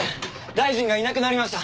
大臣がいなくなりました。